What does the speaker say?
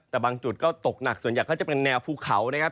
แต่บางจุดก็ตกหนักส่วนใหญ่ก็จะเป็นแนวภูเขานะครับ